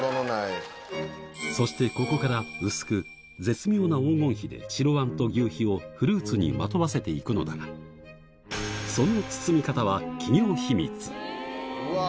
そしてここから薄く絶妙な黄金比で白あんと求肥をフルーツにまとわせていくのだがそのうわぁ！